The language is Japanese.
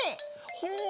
ほう！